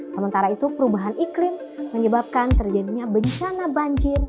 sementara itu perubahan iklim menyebabkan terjadinya bencana banjir